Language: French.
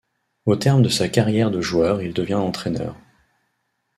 Au terme de sa carrière de joueur il devient entraîneur.